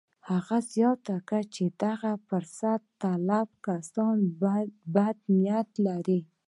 هغه زياته کړه چې دغه فرصت طلبي کسان بد نيت لري.